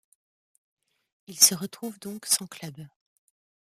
Il se retrouve donc sans club.